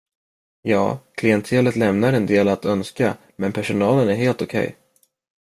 Ja, klientelet lämnar en del att önska men personalen är helt okej.